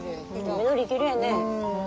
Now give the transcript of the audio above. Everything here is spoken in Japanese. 緑きれいね。